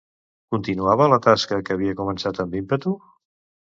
Continuava la tasca que havia començat amb ímpetu?